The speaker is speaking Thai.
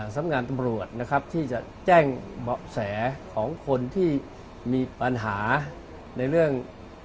สำหรับงานตำรวจนะครับที่จะแจ้งเบาะแสของคนที่มีปัญหาในเรื่อง